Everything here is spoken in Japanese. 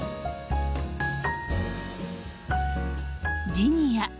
ジニア。